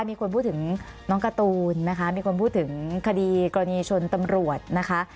มีคนพูดถึงน้องการ์ตูนนะคะมีคนพูดถึงคดีกรณีชนตำรวจนะคะ